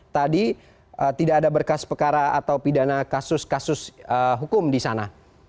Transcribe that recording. tadi tidak ada berkas pekara atau pidana kasus kasus hukum di sana